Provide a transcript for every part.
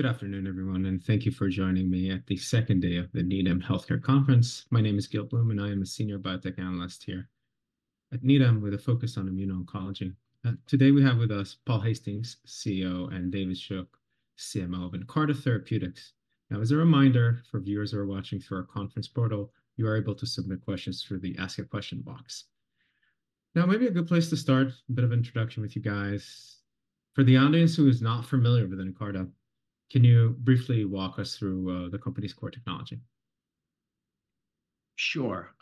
Good afternoon, everyone, and thank you for joining me at the second day of the Needham Healthcare Conference. My name is Gil Blum, and I am a senior biotech analyst here at Needham with a focus on immuno-oncology. Today we have with us Paul Hastings, CEO, and David Shook, CMO of Nkarta Therapeutics. Now, as a reminder for viewers who are watching through our conference portal, you are able to submit questions through the ask a question box. Now, maybe a good place to start a bit of introduction with you guys. For the audience who is not familiar with Nkarta, can you briefly walk us through the company's core technology? Sure.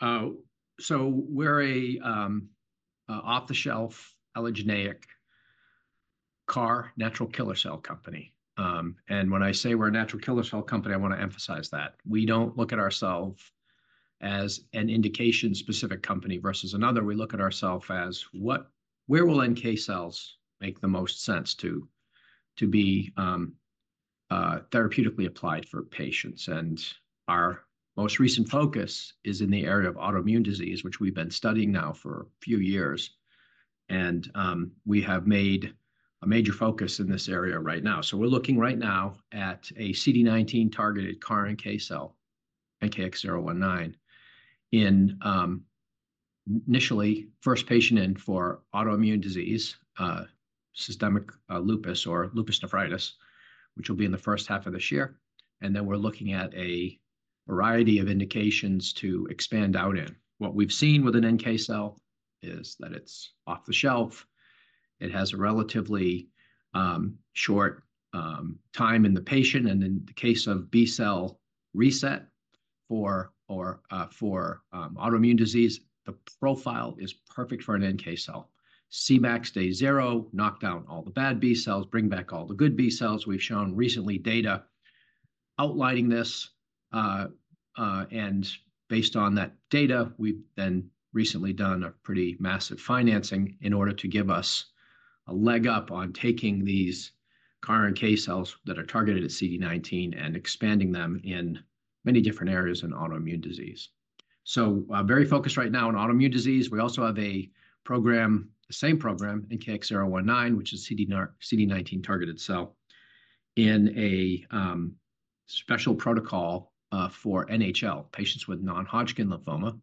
So we're an off-the-shelf allogeneic CAR Natural Killer cell company. And when I say we're a natural killer cell company, I want to emphasize that. We don't look at ourselves as an indication-specific company versus another. We look at ourselves as where will NK cells make the most sense to be therapeutically applied for patients. And our most recent focus is in the area of autoimmune disease, which we've been studying now for a few years. And we have made a major focus in this area right now. So we're looking right now at a CD19-targeted CAR-NK cell, NKX019, initially first patient in for autoimmune disease, systemic lupus or lupus nephritis, which will be in the first half of this year. And then we're looking at a variety of indications to expand out in. What we've seen with an NK cell is that it's off the shelf. It has a relatively short time in the patient. And in the case of B cell reset for autoimmune disease, the profile is perfect for an NK cell. CMAX day zero, knock down all the bad B cells, bring back all the good B cells. We've shown recently data outlining this. And based on that data, we've then recently done a pretty massive financing in order to give us a leg up on taking these CAR-NK cells that are targeted at CD19 and expanding them in many different areas in autoimmune disease. So very focused right now on autoimmune disease. We also have the same program, NKX019, which is CD19-targeted cell in a special protocol for NHL, patients with non-Hodgkin lymphoma,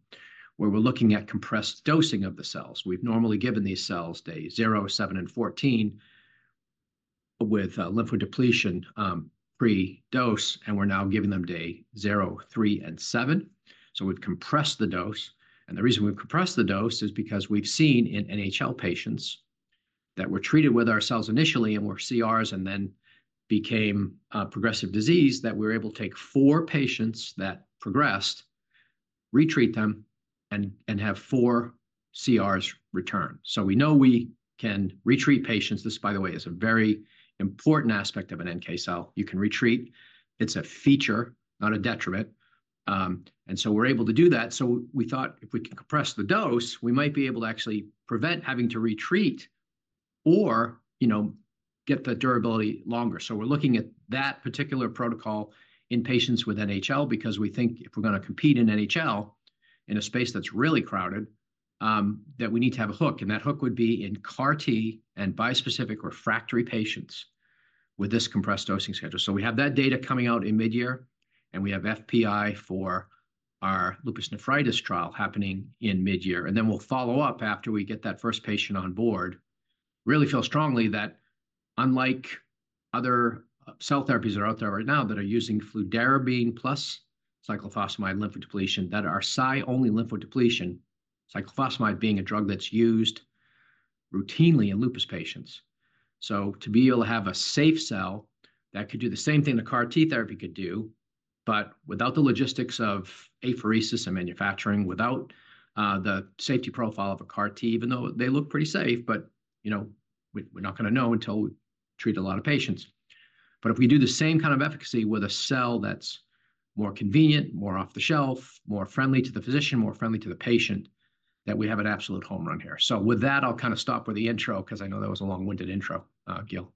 where we're looking at compressed dosing of the cells. We've normally given these cells day zero, seven, and 14 with lymphodepletion pre-dose, and we're now giving them day zero, three, and seven. So we've compressed the dose. And the reason we've compressed the dose is because we've seen in NHL patients that were treated with our cells initially and were CRs and then became progressive disease that we were able to take four patients that progressed, retreat them, and have four CRs return. So we know we can retreat patients. This, by the way, is a very important aspect of an NK cell. You can retreat. It's a feature, not a detriment. And so we're able to do that. So we thought if we can compress the dose, we might be able to actually prevent having to retreat or get the durability longer. So we're looking at that particular protocol in patients with NHL because we think if we're going to compete in NHL in a space that's really crowded, that we need to have a hook. And that hook would be in CAR-T and bispecific or refractory patients with this compressed dosing schedule. So we have that data coming out in midyear, and we have FPI for our lupus nephritis trial happening in midyear. And then we'll follow up after we get that first patient on board. Really feel strongly that unlike other cell therapies that are out there right now that are using fludarabine plus cyclophosphamide lymphodepletion, that are Cy-only lymphodepletion, cyclophosphamide being a drug that's used routinely in lupus patients. So to be able to have a safe cell that could do the same thing the CAR-T therapy could do, but without the logistics of apheresis and manufacturing, without the safety profile of a CAR-T, even though they look pretty safe, but we're not going to know until we treat a lot of patients. But if we do the same kind of efficacy with a cell that's more convenient, more off the shelf, more friendly to the physician, more friendly to the patient, that we have an absolute home run here. So with that, I'll kind of stop with the intro because I know that was a long-winded intro, Gil.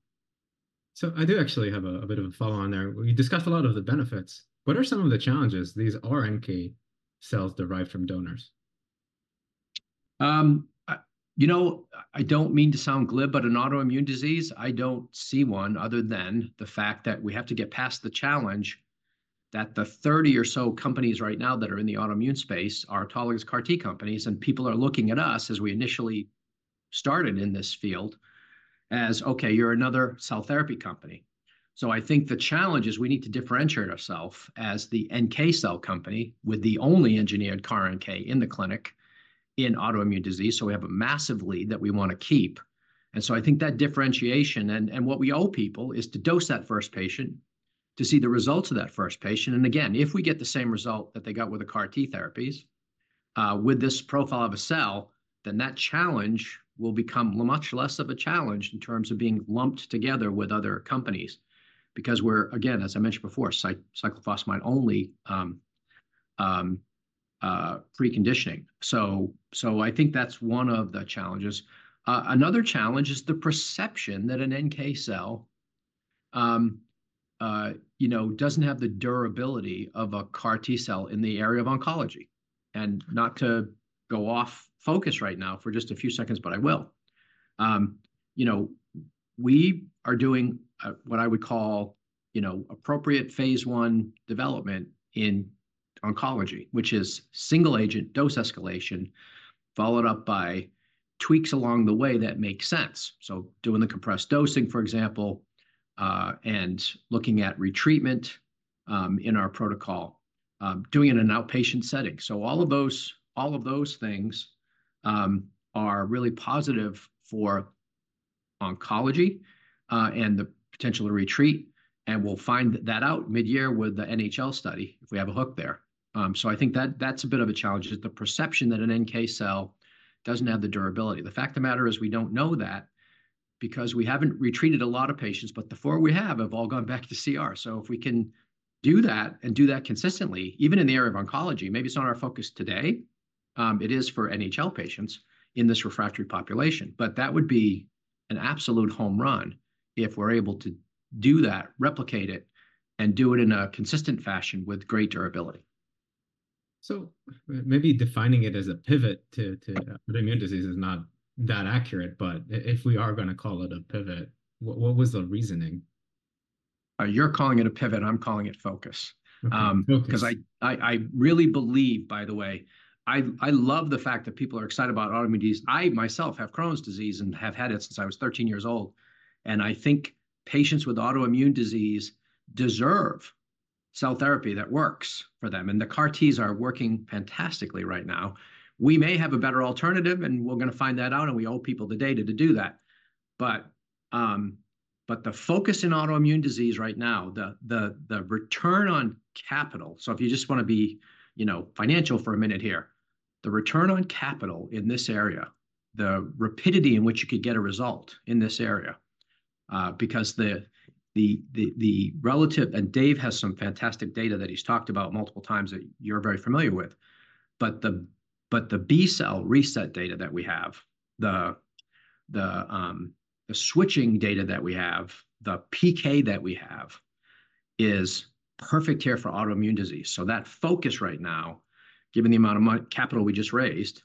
I do actually have a bit of a follow-on there. We discussed a lot of the benefits. What are some of the challenges these NK cells derive from donors? I don't mean to sound glib, but in autoimmune disease, I don't see one other than the fact that we have to get past the challenge that the 30 or so companies right now that are in the autoimmune space are autologous CAR-T companies, and people are looking at us as we initially started in this field as, okay, you're another cell therapy company. So I think the challenge is we need to differentiate ourselves as the NK cell company with the only engineered CAR-NK in the clinic in autoimmune disease. So we have a massive lead that we want to keep. And so I think that differentiation and what we owe people is to dose that first patient to see the results of that first patient. And again, if we get the same result that they got with the CAR-T therapies with this profile of a cell, then that challenge will become much less of a challenge in terms of being lumped together with other companies because we're, again, as I mentioned before, cyclophosphamide-only preconditioning. So I think that's one of the challenges. Another challenge is the perception that an NK cell doesn't have the durability of a CAR-T cell in the area of oncology. And not to go off focus right now for just a few seconds, but I will. We are doing what I would call appropriate phase one development in oncology, which is single agent dose escalation followed up by tweaks along the way that make sense. So doing the compressed dosing, for example, and looking at retreatment in our protocol, doing it in an outpatient setting. So all of those things are really positive for oncology and the potential to retreat. We'll find that out midyear with the NHL study if we have a hook there. I think that's a bit of a challenge is the perception that an NK cell doesn't have the durability. The fact of the matter is we don't know that because we haven't retreated a lot of patients, but the four we have have all gone back to CR. If we can do that and do that consistently, even in the area of oncology, maybe it's not our focus today. It is for NHL patients in this refractory population, but that would be an absolute home run if we're able to do that, replicate it, and do it in a consistent fashion with great durability. Maybe defining it as a pivot to autoimmune disease is not that accurate, but if we are going to call it a pivot, what was the reasoning? You're calling it a pivot. I'm calling it focus. Because I really believe, by the way, I love the fact that people are excited about autoimmune disease. I myself have Crohn's disease and have had it since I was 13 years old. And I think patients with autoimmune disease deserve cell therapy that works for them. And the CAR-Ts are working fantastically right now. We may have a better alternative, and we're going to find that out, and we owe people the data to do that. But the focus in autoimmune disease right now, the return on capital, so if you just want to be financial for a minute here, the return on capital in this area, the rapidity in which you could get a result in this area, because the relative and Dave has some fantastic data that he's talked about multiple times that you're very familiar with. But the B cell reset data that we have, the switching data that we have, the PK that we have is perfect here for autoimmune disease. That focus right now, given the amount of capital we just raised,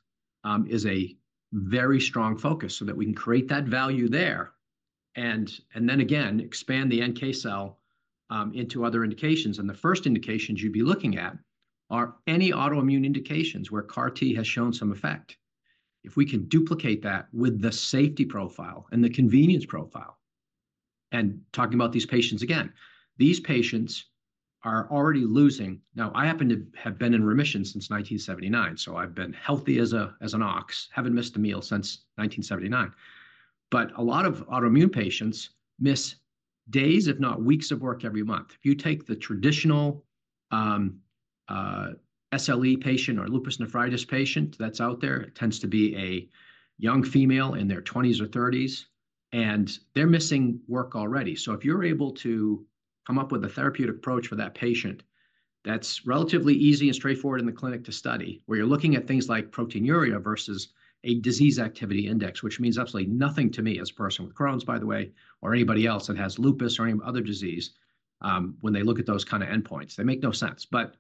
is a very strong focus so that we can create that value there. Then again, expand the NK cell into other indications. The first indications you'd be looking at are any autoimmune indications where CAR-T has shown some effect. If we can duplicate that with the safety profile and the convenience profile. Talking about these patients again, these patients are already losing now. I happen to have been in remission since 1979, so I've been healthy as an ox, haven't missed a meal since 1979. But a lot of autoimmune patients miss days, if not weeks of work every month. If you take the traditional SLE patient or lupus nephritis patient that's out there, it tends to be a young female in their 20s or 30s. And they're missing work already. So if you're able to come up with a therapeutic approach for that patient, that's relatively easy and straightforward in the clinic to study, where you're looking at things like proteinuria versus a disease activity index, which means absolutely nothing to me as a person with Crohn's, by the way, or anybody else that has lupus or any other disease. When they look at those kind of endpoints, they make no sense, but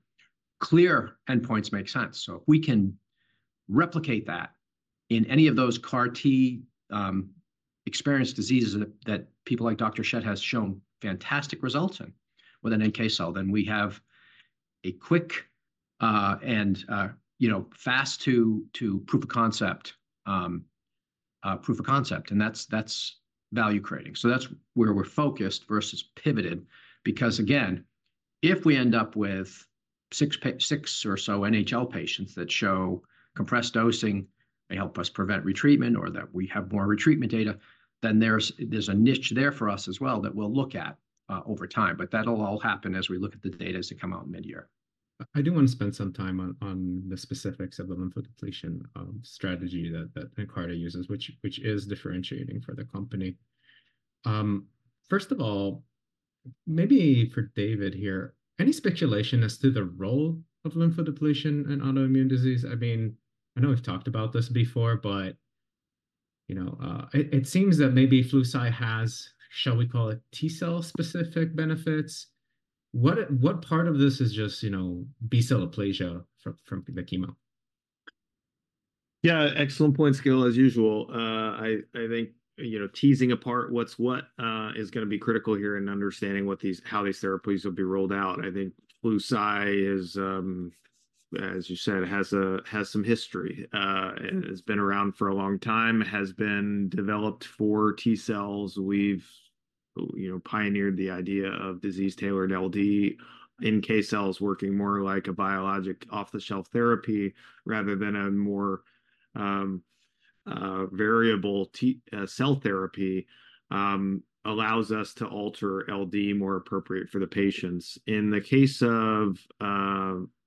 clear endpoints make sense. So if we can replicate that in any of those CAR-T experienced diseases that people like Dr. Schett has shown fantastic results in with an NK cell, then we have a quick and fast to proof of concept, proof of concept, and that's value creating. So that's where we're focused versus pivoted because, again, if we end up with 6 or so NHL patients that show compressed dosing, they help us prevent retreatment or that we have more retreatment data, then there's a niche there for us as well that we'll look at over time. But that'll all happen as we look at the data as they come out midyear. I do want to spend some time on the specifics of the lymphodepletion strategy that Nkarta uses, which is differentiating for the company. First of all, maybe for David here, any speculation as to the role of lymphodepletion and autoimmune disease? I mean, I know we've talked about this before, but it seems that maybe Flu/Cy has, shall we call it, T cell specific benefits. What part of this is just B cell aplasia from the chemo? Yeah, excellent point, Gil. As usual, I think teasing apart what's what is going to be critical here in understanding how these therapies will be rolled out. I think Flu/Cy, as you said, has some history. It's been around for a long time, has been developed for T cells. We've pioneered the idea of disease-tailored LD NK cells working more like a biologic off-the-shelf therapy rather than a more variable cell therapy, allows us to alter LD more appropriate for the patients. In the case of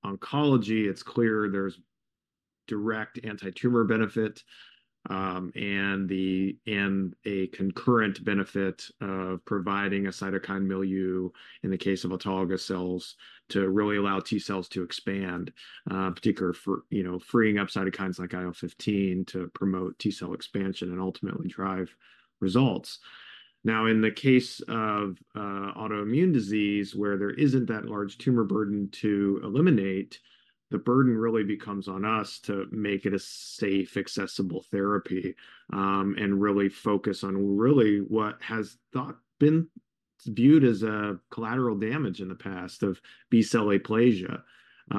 oncology, it's clear there's direct anti-tumor benefit and a concurrent benefit of providing a cytokine milieu in the case of autologous cells to really allow T cells to expand, particularly freeing up cytokines like IL-15 to promote T cell expansion and ultimately drive results. Now, in the case of autoimmune disease, where there isn't that large tumor burden to eliminate, the burden really becomes on us to make it a safe, accessible therapy and really focus on really what has been viewed as collateral damage in the past of B cell aplasia. We,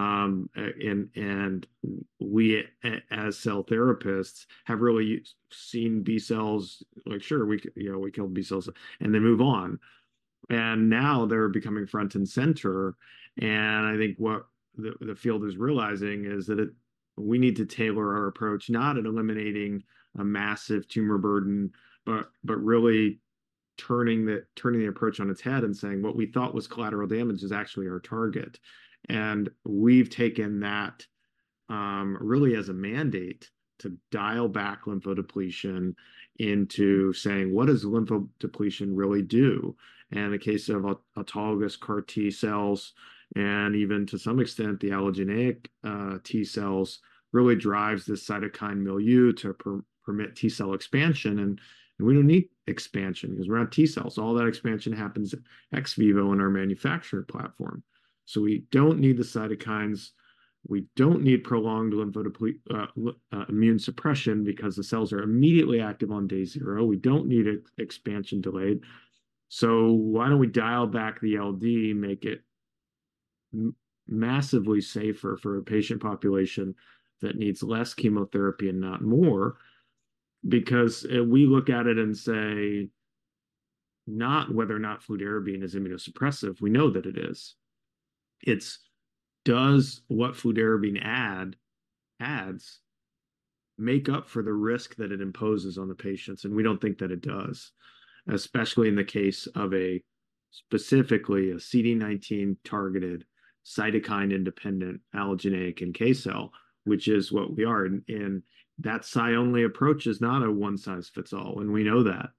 as cell therapists, have really seen B cells like, sure, we killed B cells and they move on. Now they're becoming front and center. I think what the field is realizing is that we need to tailor our approach, not in eliminating a massive tumor burden, but really turning the approach on its head and saying what we thought was collateral damage is actually our target. We've taken that really as a mandate to dial back lymphodepletion into saying what does lymphodepletion really do? In the case of autologous CAR-T cells and even to some extent, the allogeneic T cells really drives this cytokine milieu to permit T cell expansion. We don't need expansion because we're not T cells. All that expansion happens ex vivo in our manufacturing platform. We don't need the cytokines. We don't need prolonged lymph immune suppression because the cells are immediately active on day zero. We don't need expansion delayed. Why don't we dial back the LD, make it massively safer for a patient population that needs less chemotherapy and not more? Because we look at it and say not whether or not Fludarabine is immunosuppressive. We know that it is. It does what Fludarabine adds make up for the risk that it imposes on the patients. We don't think that it does, especially in the case of specifically a CD19 targeted cytokine independent allogeneic NK cell, which is what we are. That psi-only approach is not a one-size-fits-all, and we know that.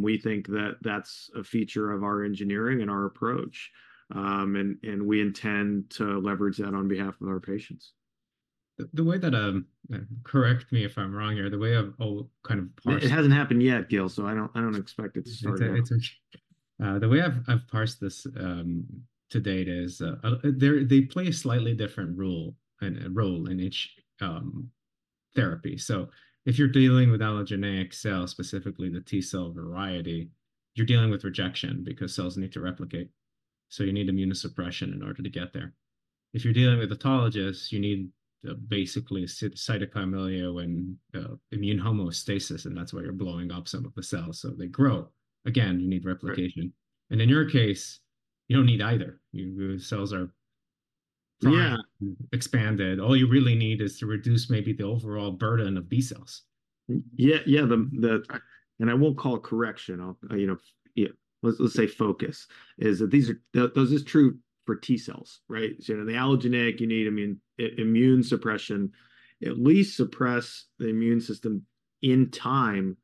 We think that that's a feature of our engineering and our approach. We intend to leverage that on behalf of our patients. The way that, correct me if I'm wrong here, the way I've kind of parsed. It hasn't happened yet, Gil. So I don't expect it to start. It's okay. The way I've parsed this to date is they play a slightly different role in each therapy. So if you're dealing with allogeneic cells, specifically the T cell variety, you're dealing with rejection because cells need to replicate. So you need immunosuppression in order to get there. If you're dealing with autologous, you need basically a cytokine milieu and immune homostasis, and that's why you're blowing up some of the cells. So they grow. Again, you need replication. And in your case, you don't need either. Your cells are expanded. All you really need is to reduce maybe the overall burden of B cells. Yeah, yeah. And I won't call it correction. Let's say focus is that those is true for T cells, right? So in the allogeneic, you need immune suppression, at least suppress the immune system in time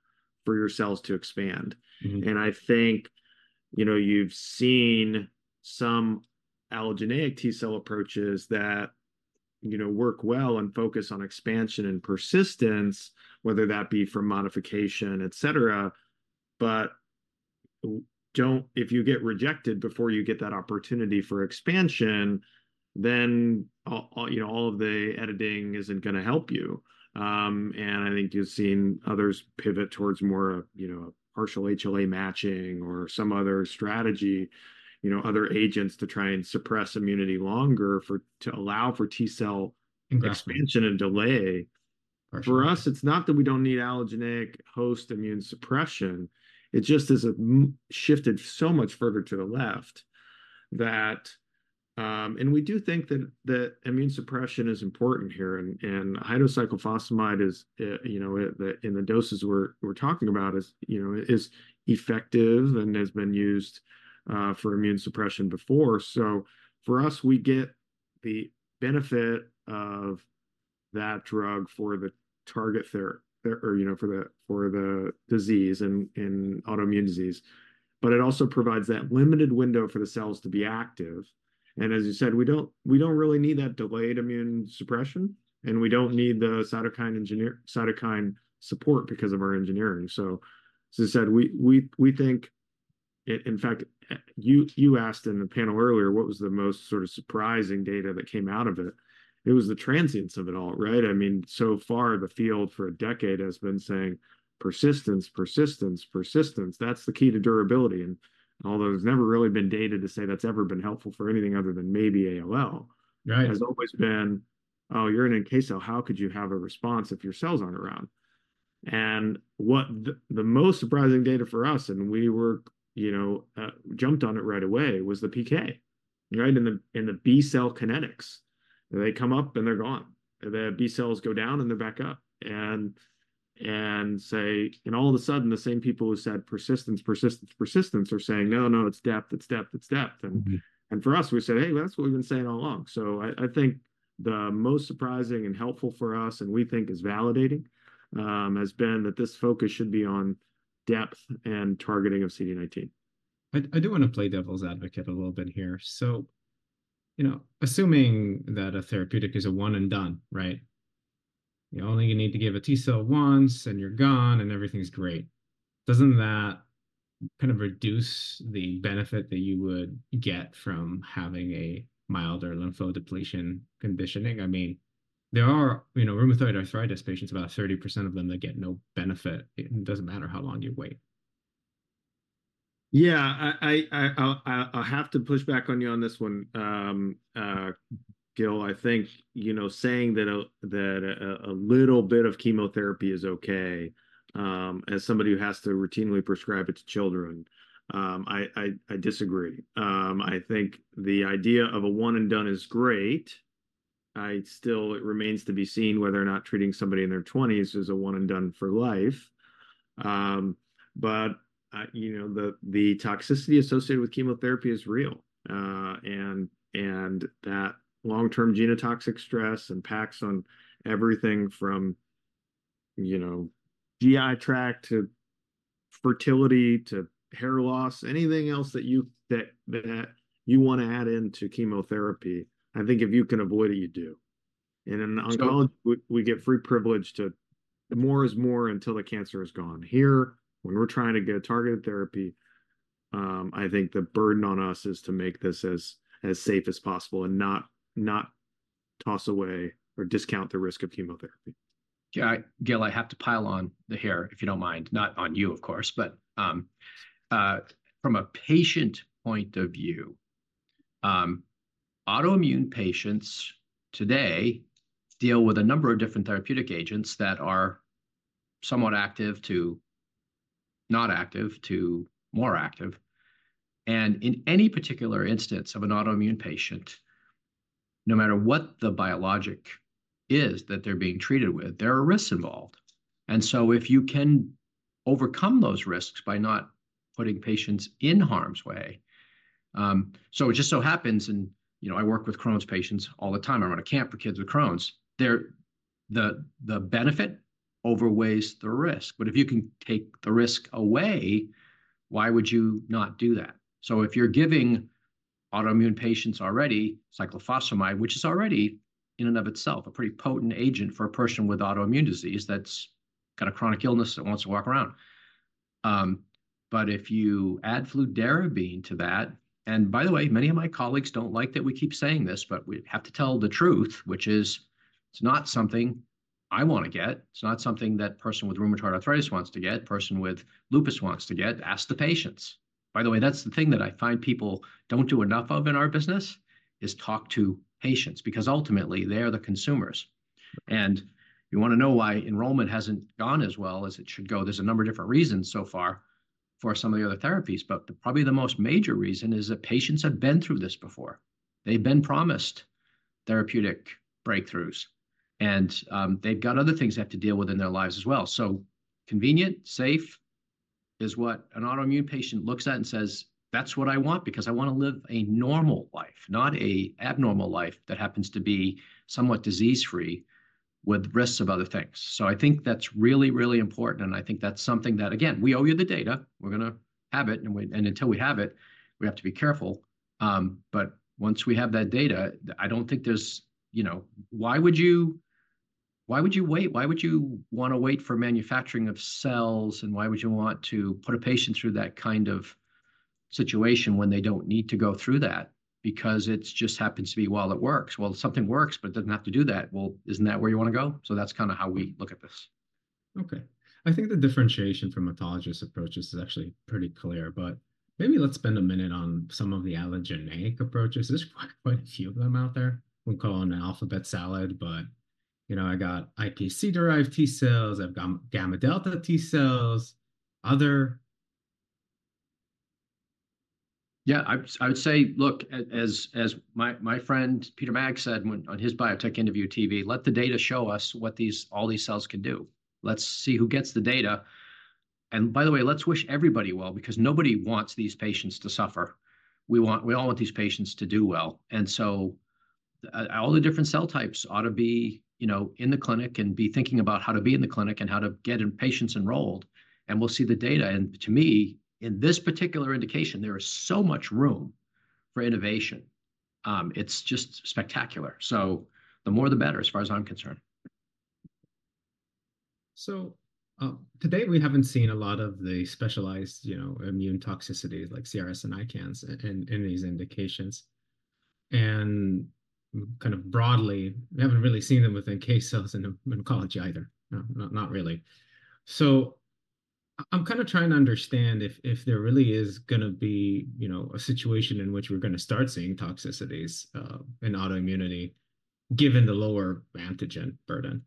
for your cells to expand. And I think you've seen some allogeneic T cell approaches that work well and focus on expansion and persistence, whether that be from modification, etc. But if you get rejected before you get that opportunity for expansion, then all of the editing isn't going to help you. And I think you've seen others pivot towards more of partial HLA matching or some other strategy, other agents to try and suppress immunity longer to allow for T cell expansion and delay. For us, it's not that we don't need allogeneic host immune suppression. It just has shifted so much further to the left, and we do think that immune suppression is important here. Cyclophosphamide in the doses we're talking about is effective and has been used for immune suppression before. So for us, we get the benefit of that drug for the target therapy or for the disease in autoimmune disease. But it also provides that limited window for the cells to be active. And as you said, we don't really need that delayed immune suppression. And we don't need the cytokine support because of our engineering. So as I said, we think in fact, you asked in the panel earlier what was the most sort of surprising data that came out of it. It was the transience of it all, right? I mean, so far the field for a decade has been saying persistence, persistence, persistence. That's the key to durability. And although there's never really been data to say that's ever been helpful for anything other than maybe ALL, has always been, oh, you're in an NK cell, how could you have a response if your cells aren't around? And the most surprising data for us, and we jumped on it right away, was the PK, right? In the B cell kinetics, they come up and they're gone. The B cells go down and they're back up. And all of a sudden, the same people who said persistence, persistence, persistence are saying, no, no, it's depth, it's depth, it's depth. And for us, we said, hey, that's what we've been saying all along. So I think the most surprising and helpful for us, and we think is validating, has been that this focus should be on depth and targeting of CD19. I do want to play devil's advocate a little bit here. So assuming that a therapeutic is a one and done, right? You only need to give a T cell once and you're gone and everything's great. Doesn't that kind of reduce the benefit that you would get from having a milder lymphodepletion conditioning? I mean, there are rheumatoid arthritis patients, about 30% of them that get no benefit. It doesn't matter how long you wait. Yeah, I'll have to push back on you on this one, Gil. I think saying that a little bit of chemotherapy is okay as somebody who has to routinely prescribe it to children, I disagree. I think the idea of a one and done is great. It remains to be seen whether or not treating somebody in their 20s is a one and done for life. But the toxicity associated with chemotherapy is real. And that long-term genotoxic stress and packs on everything from GI tract to fertility to hair loss, anything else that you want to add into chemotherapy, I think if you can avoid it, you do. And in oncology, we get free privilege to more is more until the cancer is gone. Here, when we're trying to get targeted therapy, I think the burden on us is to make this as safe as possible and not toss away or discount the risk of chemotherapy. Gil, I have to pile on there, if you don't mind, not on you, of course, but from a patient point of view, autoimmune patients today deal with a number of different therapeutic agents that are somewhat active to not active to more active. And in any particular instance of an autoimmune patient, no matter what the biologic is that they're being treated with, there are risks involved. And so if you can overcome those risks by not putting patients in harm's way so it just so happens and I work with Crohn's patients all the time. I'm on a camp for kids with Crohn's. The benefit outweighs the risk. But if you can take the risk away, why would you not do that? So if you're giving autoimmune patients already cyclophosphamide, which is already in and of itself a pretty potent agent for a person with autoimmune disease that's got a chronic illness that wants to walk around. But if you add fludarabine to that and by the way, many of my colleagues don't like that we keep saying this, but we have to tell the truth, which is it's not something I want to get. It's not something that a person with rheumatoid arthritis wants to get, a person with lupus wants to get, ask the patients. By the way, that's the thing that I find people don't do enough of in our business is talk to patients because ultimately they are the consumers. And you want to know why enrollment hasn't gone as well as it should go. There's a number of different reasons so far for some of the other therapies. But probably the most major reason is that patients have been through this before. They've been promised therapeutic breakthroughs. And they've got other things they have to deal with in their lives as well. So convenient, safe is what an autoimmune patient looks at and says, "That's what I want because I want to live a normal life, not an abnormal life that happens to be somewhat disease-free with risks of other things." So I think that's really, really important. And I think that's something that, again, we owe you the data. We're going to have it. And until we have it, we have to be careful. But once we have that data, I don't think there's why would you wait? Why would you want to wait for manufacturing of cells? Why would you want to put a patient through that kind of situation when they don't need to go through that because it just happens to be while it works? Well, something works, but doesn't have to do that. Well, isn't that where you want to go? So that's kind of how we look at this. Okay. I think the differentiation from autologous approaches is actually pretty clear. But maybe let's spend a minute on some of the allogeneic approaches. There's quite a few of them out there. We'll call them an alphabet salad. But I got iPSC-derived T cells. I've got gamma delta T cells. Other. Yeah, I would say, look, as my friend Peter Maag said on his biotech interview TV, let the data show us what all these cells can do. Let's see who gets the data. By the way, let's wish everybody well because nobody wants these patients to suffer. We all want these patients to do well. So all the different cell types ought to be in the clinic and be thinking about how to be in the clinic and how to get patients enrolled. And we'll see the data. And to me, in this particular indication, there is so much room for innovation. It's just spectacular. So the more, the better as far as I'm concerned. So today we haven't seen a lot of the specialized immune toxicities like CRS and ICANS in these indications. And kind of broadly, we haven't really seen them within NK cells in oncology either, not really. So I'm kind of trying to understand if there really is going to be a situation in which we're going to start seeing toxicities in autoimmunity given the lower antigen burden.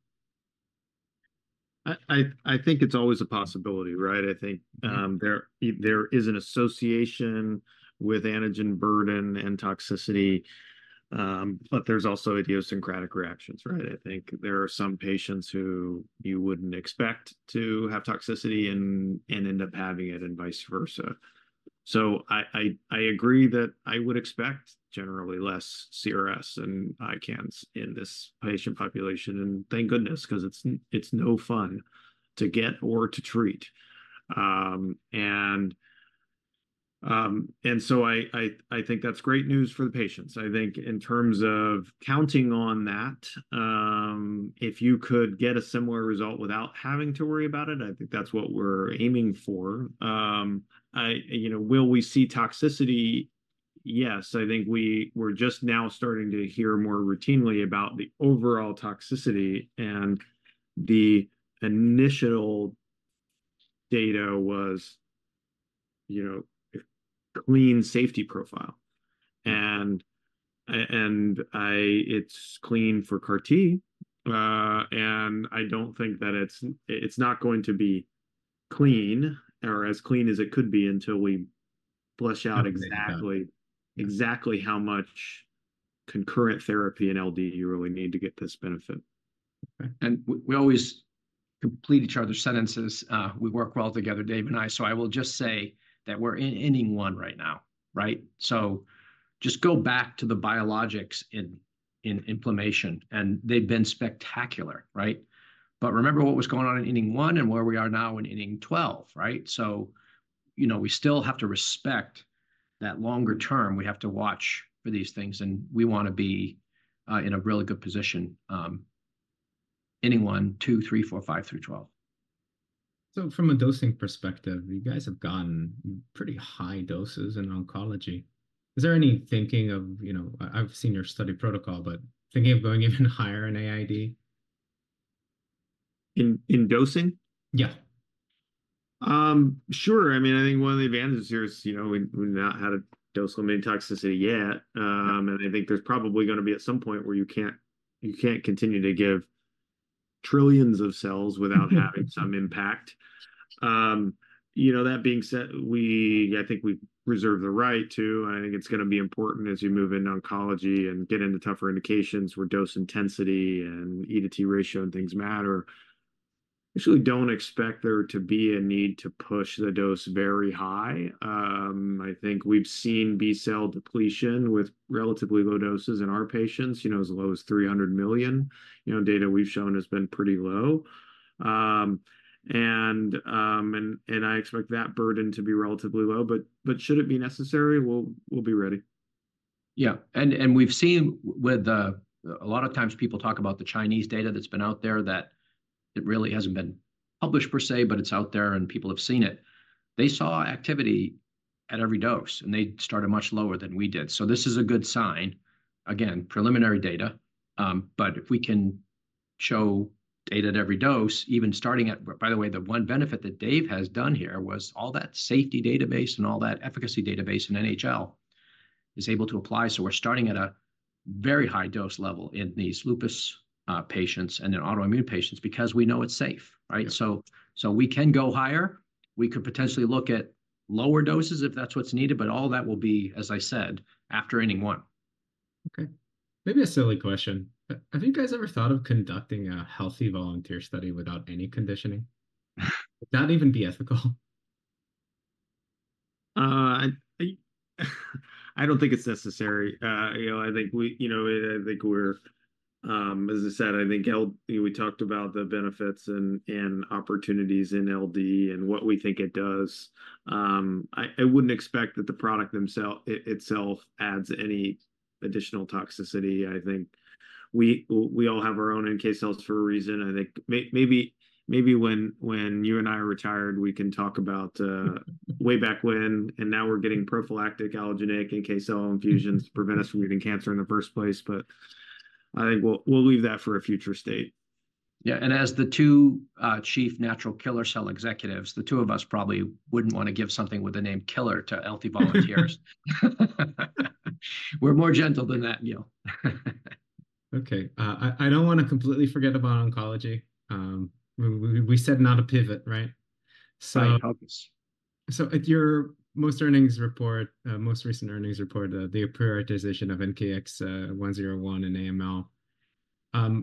I think it's always a possibility, right? I think there is an association with antigen burden and toxicity. But there's also idiosyncratic reactions, right? I think there are some patients who you wouldn't expect to have toxicity and end up having it and vice versa. So I agree that I would expect generally less CRS and ICANS in this patient population. And thank goodness because it's no fun to get or to treat. And so I think that's great news for the patients. I think in terms of counting on that, if you could get a similar result without having to worry about it, I think that's what we're aiming for. Will we see toxicity? Yes. I think we're just now starting to hear more routinely about the overall toxicity. And the initial data was a clean safety profile. And it's clean for CAR-T. I don't think that it's not going to be clean or as clean as it could be until we flesh out exactly how much concurrent therapy and LD you really need to get this benefit. Okay. And we always complete each other's sentences. We work well together, Dave and I. So I will just say that we're in inning one right now, right? So just go back to the biologics in inflammation. And they've been spectacular, right? But remember what was going on in inning one and where we are now in inning 12, right? So we still have to respect that longer term. We have to watch for these things. And we want to be in a really good position inning one, two, three, four, five, through 12. From a dosing perspective, you guys have gotten pretty high doses in oncology. Is there any thinking of it? I've seen your study protocol, but thinking of going even higher in AID? In dosing? Yeah. Sure. I mean, I think one of the advantages here is we've not had a dose limiting toxicity yet. And I think there's probably going to be at some point where you can't continue to give trillions of cells without having some impact. That being said, I think we reserve the right to, and I think it's going to be important as you move into oncology and get into tougher indications where dose intensity and E:T ratio and things matter, actually don't expect there to be a need to push the dose very high. I think we've seen B cell depletion with relatively low doses in our patients, as low as 300 million. Data we've shown has been pretty low. And I expect that burden to be relatively low. But should it be necessary, we'll be ready. Yeah. We've seen with a lot of times people talk about the Chinese data that's been out there that it really hasn't been published per se, but it's out there and people have seen it. They saw activity at every dose, and they started much lower than we did. So this is a good sign. Again, preliminary data. But if we can show data at every dose, even starting at by the way, the one benefit that Dave has done here was all that safety database and all that efficacy database in NHL is able to apply. So we're starting at a very high dose level in these lupus patients and in autoimmune patients because we know it's safe, right? So we can go higher. We could potentially look at lower doses if that's what's needed. But all that will be, as I said, after IND one. Okay. Maybe a silly question. Have you guys ever thought of conducting a healthy volunteer study without any conditioning? Would that even be ethical? I don't think it's necessary. I think we're as I said, I think we talked about the benefits and opportunities in LD and what we think it does. I wouldn't expect that the product itself adds any additional toxicity. I think we all have our own NK cells for a reason. I think maybe when you and I are retired, we can talk about way back when, and now we're getting prophylactic allogeneic NK cell infusions to prevent us from getting cancer in the first place. But I think we'll leave that for a future state. Yeah. And as the two chief natural killer cell executives, the two of us probably wouldn't want to give something with the name killer to healthy volunteers. We're more gentle than that, Gil. Okay. I don't want to completely forget about oncology. We said not a pivot, right? Help us. At your most recent earnings report, the prioritization of NKX101 and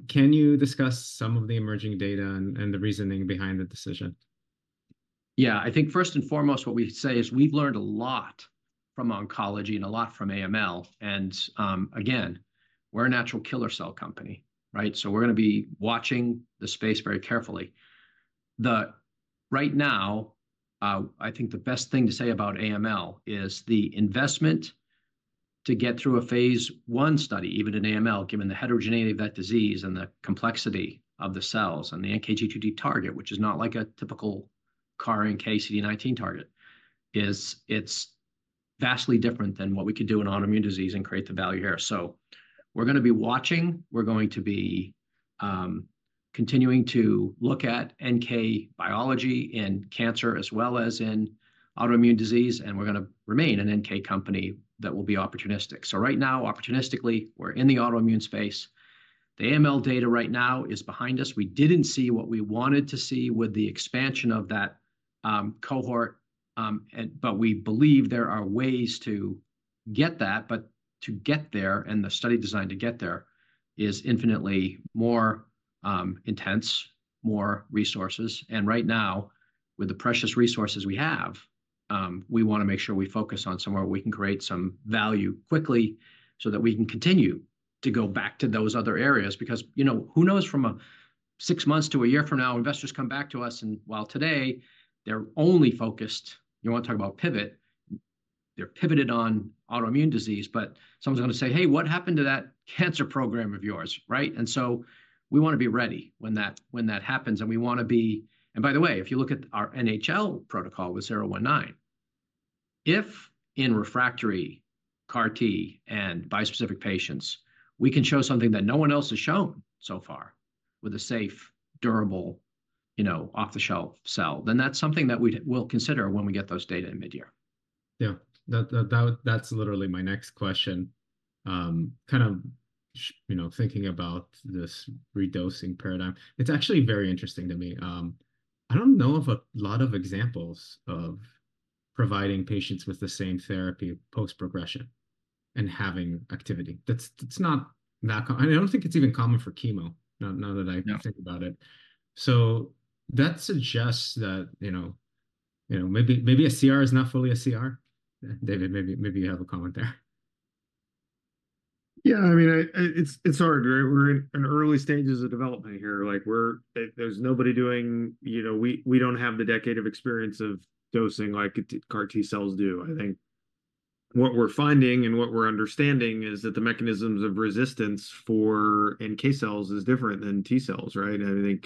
AML, can you discuss some of the emerging data and the reasoning behind the decision? Yeah. I think first and foremost, what we say is we've learned a lot from oncology and a lot from AML. And again, we're a natural killer cell company, right? So we're going to be watching the space very carefully. Right now, I think the best thing to say about AML is the investment to get through a phase 1 study, even in AML, given the heterogeneity of that disease and the complexity of the cells and the NKG2D target, which is not like a typical CAR-NK CD19 target, is it's vastly different than what we could do in autoimmune disease and create the value here. So we're going to be watching. We're going to be continuing to look at NK biology in cancer as well as in autoimmune disease. And we're going to remain an NK company that will be opportunistic. So right now, opportunistically, we're in the autoimmune space. The AML data right now is behind us. We didn't see what we wanted to see with the expansion of that cohort. But we believe there are ways to get that. But to get there, and the study designed to get there is infinitely more intense, more resources. And right now, with the precious resources we have, we want to make sure we focus on somewhere where we can create some value quickly so that we can continue to go back to those other areas. Because who knows from six months to a year from now, investors come back to us. And while today, they're only focused. You want to talk about pivot. They're pivoted on autoimmune disease. But someone's going to say, "Hey, what happened to that cancer program of yours, right?" And so we want to be ready when that happens. And we want to be and by the way, if you look at our NHL protocol with 019, if in refractory CAR-T and bispecific patients, we can show something that no one else has shown so far with a safe, durable, off-the-shelf cell, then that's something that we will consider when we get those data in mid-year. Yeah. That's literally my next question. Kind of thinking about this redosing paradigm, it's actually very interesting to me. I don't know of a lot of examples of providing patients with the same therapy post-progression and having activity. And I don't think it's even common for chemo, now that I think about it. So that suggests that maybe a CR is not fully a CR. David, maybe you have a comment there. Yeah. I mean, it's hard, right? We're in early stages of development here. There's nobody doing. We don't have the decade of experience of dosing like CAR-T cells do. I think what we're finding and what we're understanding is that the mechanisms of resistance for NK cells is different than T cells, right? And I think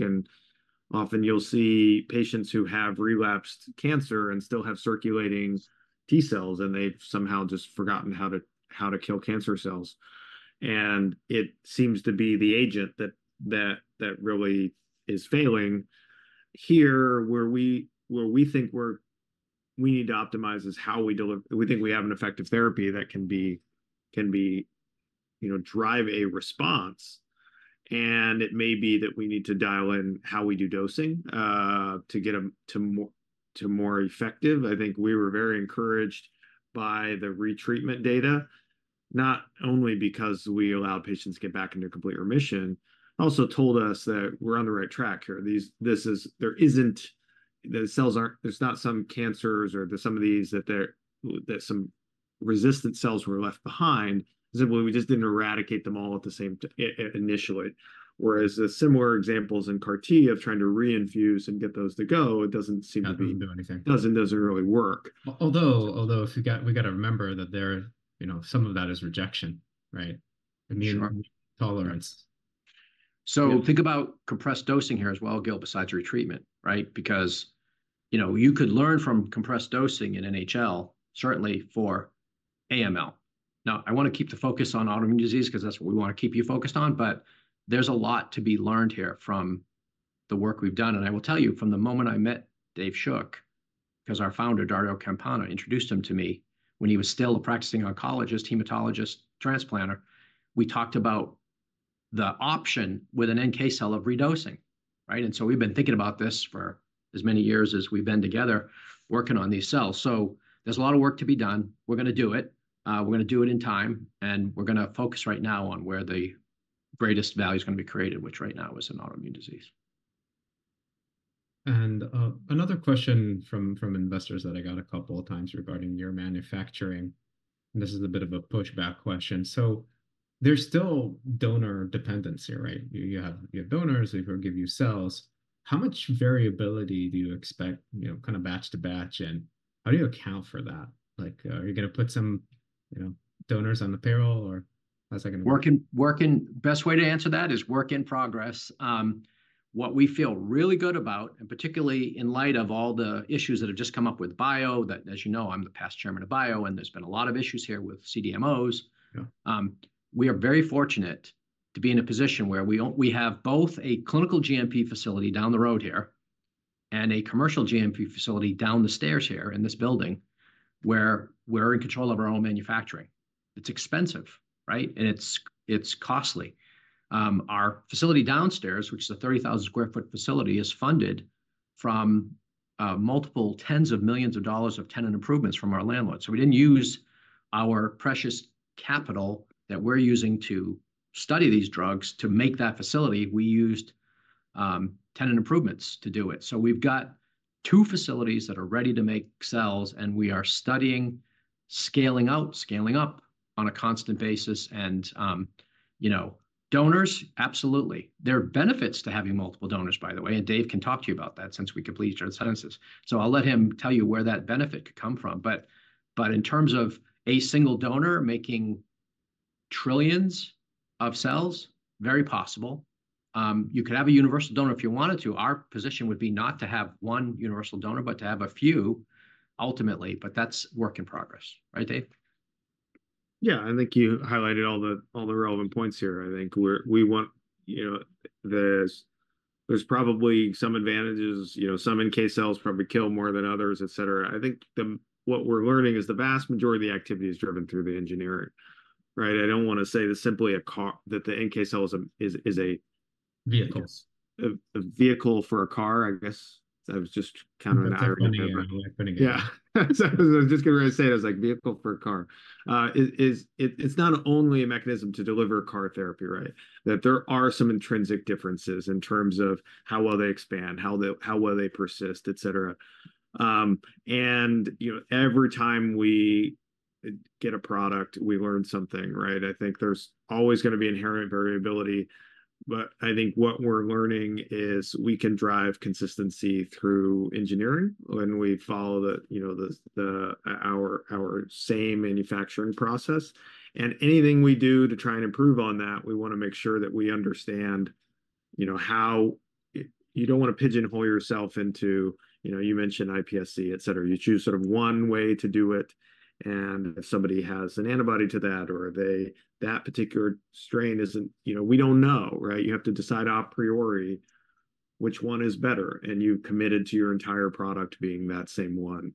often you'll see patients who have relapsed cancer and still have circulating T cells, and they've somehow just forgotten how to kill cancer cells. And it seems to be the agent that really is failing. Here, where we think we need to optimize, is how we deliver. We think we have an effective therapy that can drive a response. And it may be that we need to dial in how we do dosing to get more effective. I think we were very encouraged by the retreatment data, not only because we allow patients to get back into complete remission, also told us that we're on the right track here. There isn't some cancers or some of these that some resistant cells were left behind. Simply, we just didn't eradicate them all at the same initially. Whereas the similar examples in CAR-T of trying to reinfuse and get those to go, it doesn't seem to be. Doesn't do anything. Doesn't really work. Although, if we got to remember that some of that is rejection, right? Immune tolerance. So think about compressed dosing here as well, Gil, besides retreatment, right? Because you could learn from compressed dosing in NHL, certainly for AML. Now, I want to keep the focus on autoimmune disease because that's what we want to keep you focused on. But there's a lot to be learned here from the work we've done. And I will tell you, from the moment I met David Shook, because our founder, Dario Campana, introduced him to me when he was still a practicing oncologist, hematologist, transplanter, we talked about the option with an NK cell of redosing, right? And so we've been thinking about this for as many years as we've been together working on these cells. So there's a lot of work to be done. We're going to do it. We're going to do it in time. We're going to focus right now on where the greatest value is going to be created, which right now is in autoimmune disease. Another question from investors that I got a couple of times regarding your manufacturing. And this is a bit of a pushback question. So there's still donor dependency, right? You have donors who give you cells. How much variability do you expect kind of batch to batch? And how do you account for that? Are you going to put some donors on the payroll, or how's that going to work? Best way to answer that is work in progress. What we feel really good about, and particularly in light of all the issues that have just come up with BIO, that as you know, I'm the past chairman of BIO, and there's been a lot of issues here with CDMOs. We are very fortunate to be in a position where we have both a clinical GMP facility down the road here and a commercial GMP facility down the stairs here in this building where we're in control of our own manufacturing. It's expensive, right? And it's costly. Our facility downstairs, which is a 30,000 sq ft facility, is funded from multiple tens of millions of dollars of tenant improvements from our landlord. So we didn't use our precious capital that we're using to study these drugs to make that facility. We used tenant improvements to do it. So we've got two facilities that are ready to make cells, and we are studying, scaling out, scaling up on a constant basis. And donors, absolutely. There are benefits to having multiple donors, by the way. And Dave can talk to you about that since we complete your sentences. So I'll let him tell you where that benefit could come from. But in terms of a single donor making trillions of cells, very possible. You could have a universal donor if you wanted to. Our position would be not to have one universal donor, but to have a few ultimately. But that's work in progress, right, Dave? Yeah. I think you highlighted all the relevant points here. I think we want there's probably some advantages. Some NK cells probably kill more than others, etc. I think what we're learning is the vast majority of the activity is driven through the engineering, right? I don't want to say that simply that the NK cell is a vehicle for a CAR, I guess. I was just commenting on your point. Yeah. I was just going to say it as like vehicle for a CAR. It's not only a mechanism to deliver CAR-T therapy, right? That there are some intrinsic differences in terms of how well they expand, how well they persist, etc. And every time we get a product, we learn something, right? I think there's always going to be inherent variability. But I think what we're learning is we can drive consistency through engineering when we follow our same manufacturing process. And anything we do to try and improve on that, we want to make sure that we understand how you don't want to pigeonhole yourself into you mentioned iPSC, etc. You choose sort of one way to do it. And if somebody has an antibody to that or that particular strain isn't we don't know, right? You have to decide a priori which one is better. And you committed to your entire product being that same one.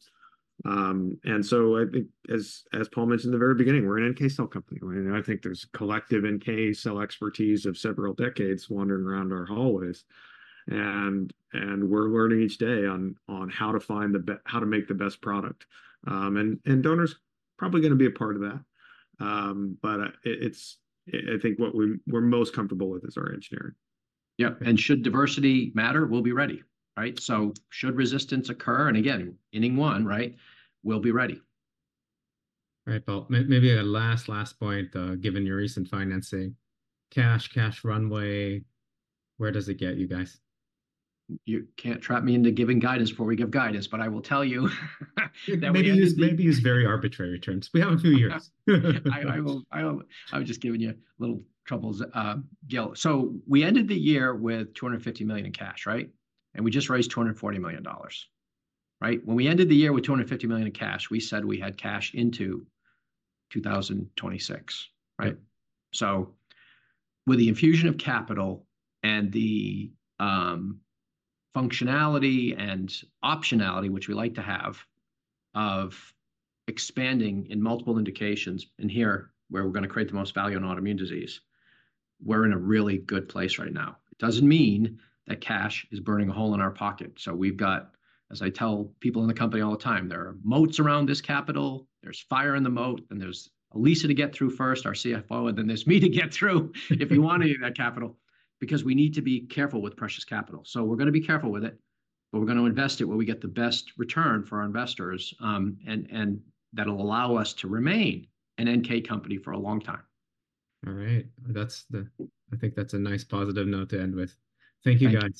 And so I think as Paul mentioned in the very beginning, we're an NK cell company. I think there's collective NK cell expertise of several decades wandering around our hallways. And we're learning each day on how to find the how to make the best product. Donor's probably going to be a part of that. But I think what we're most comfortable with is our engineering. Yep. And should diversity matter, we'll be ready, right? So should resistance occur and again, inning one, right? We'll be ready. All right, Paul. Maybe a last, last point, given your recent financing. Cash, cash runway, where does it get you guys? You can't trap me into giving guidance before we give guidance. But I will tell you that we. Maybe use very arbitrary terms. We have a few years. I've just given you little troubles. Gil, so we ended the year with $250 million in cash, right? And we just raised $240 million, right? When we ended the year with $250 million in cash, we said we had cash into 2026, right? So with the infusion of capital and the functionality and optionality, which we like to have, of expanding in multiple indications and here where we're going to create the most value on autoimmune disease, we're in a really good place right now. It doesn't mean that cash is burning a hole in our pocket. So we've got, as I tell people in the company all the time, there are moats around this capital. There's fire in the moat. And there's Lisa to get through first, our CFO, and then there's me to get through if you want to use that capital. Because we need to be careful with precious capital. So we're going to be careful with it. But we're going to invest it where we get the best return for our investors. And that'll allow us to remain an NK company for a long time. All right. I think that's a nice positive note to end with. Thank you, guys.